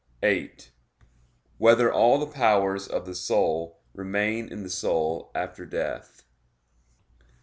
(8) Whether all the powers of the soul remain in the soul after death?